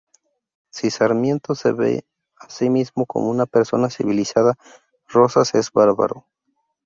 Si Sarmiento se ve a sí mismo como una persona civilizada, Rosas es bárbaro.